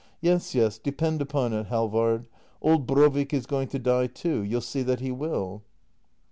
] Yes, yes — depend upon it, Hal vard, old Brovik is going to die too. You'll see that he will.